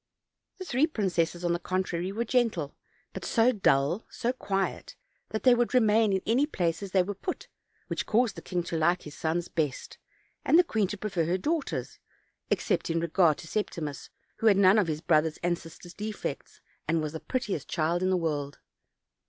The three princesses, on the contrary, were gentle; but so dull, so quiet, that they would remain in any places they were put; which caused the king to like his sons best, and the queen to prefer her daughters, ex cept in regard to Septimus, who had none of his broth OLD, OLD FAIHY TALES. 24? ers' and sisters' defects, and was the prettiest child in the world.